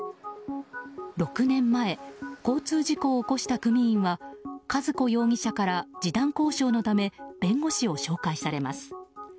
６年前交通事故を起こした組員は和子容疑者から示談交渉のため弁護士を紹介されます。